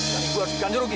dan ibu harus diganti rugi